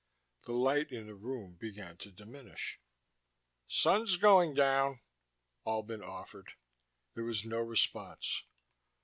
The light in the room began to diminish. "Sun's going down," Albin offered. There was no response.